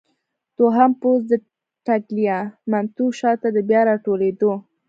دوهم پوځ د ټګلیامنتو شاته د بیا راټولېدو.